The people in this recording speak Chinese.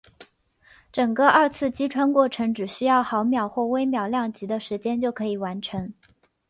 整个二次击穿过程只需要毫秒或微秒量级的时间就可以完成。